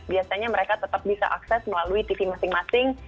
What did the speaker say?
biasanya mereka tetap bisa akses melalui tv masing masing